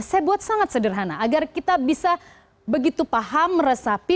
saya buat sangat sederhana agar kita bisa begitu paham meresapi